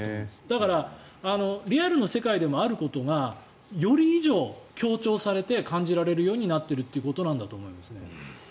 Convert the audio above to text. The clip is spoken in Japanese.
だからリアルの世界でもあることがより以上、強調されて感じられるようになっているということだと思います。